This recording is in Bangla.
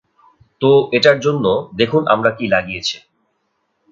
তো, এটার জন্য, দেখুন আমরা কি লাগিয়েছে।